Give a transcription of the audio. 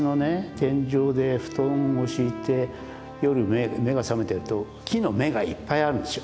天井で布団を敷いて夜目が覚めてると木の目がいっぱいあるんですよ。